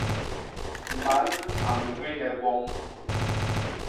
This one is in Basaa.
Man a ñgwine gwom.